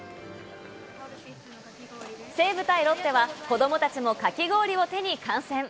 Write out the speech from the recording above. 西武対ロッテは、子どもたちもかき氷を手に観戦。